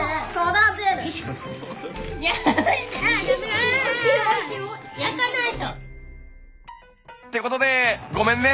あぁ焼かないと！っていうことでごめんね！